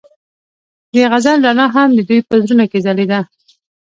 د غزل رڼا هم د دوی په زړونو کې ځلېده.